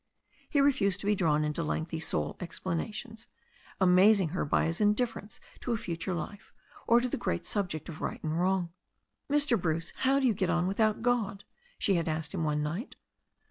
He refused to be drawn into lengthy soul explorations, amazing her by his indifference to a future life, or to the great subject of right and wrong. "Mr. Bruce, how do you get on without God?" she had asked him one night.